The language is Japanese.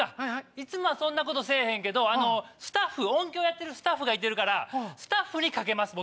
いつもはそんなことせぇへんけど音響やってるスタッフがいるからスタッフにかけます。